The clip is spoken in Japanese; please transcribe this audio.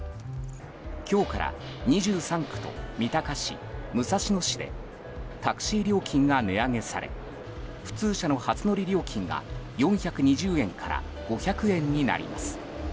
今日から２３区と三鷹市、武蔵野市でタクシー料金が値上げされ普通車の初乗り料金が４２０円から５００円になります。